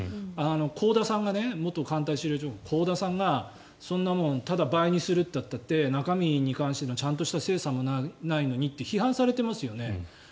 香田さんが元艦隊司令長官の香田さんがそんなもんただ倍にするったって中身に関するちゃんとした精査もないのにって批判されてますよね。